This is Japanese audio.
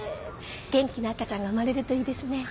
元気な赤ちゃんが生まれるといいですね。